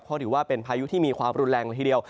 เพราะถือว่าเป็นพายุที่มีความรุนแรงละทีเดียว